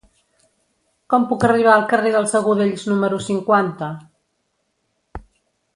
Com puc arribar al carrer dels Agudells número cinquanta?